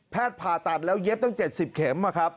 ผ่าตัดแล้วเย็บตั้ง๗๐เข็ม